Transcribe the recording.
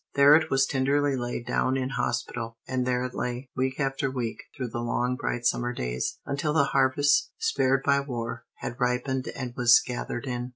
There it was tenderly laid down in hospital; and there it lay, week after week, through the long, bright summer days, until the harvest, spared by war, had ripened and was gathered in.